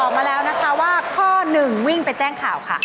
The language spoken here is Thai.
มาแล้วนะคะว่าข้อหนึ่งวิ่งไปแจ้งข่าวค่ะ